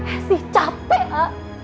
esi capek ah